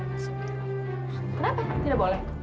kenapa tidak boleh